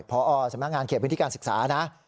พอสำนักงานเขตพื้นที่การศึกษานะ